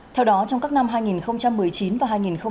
theo đó trong các năm hai nghìn một mươi chín và hai nghìn hai mươi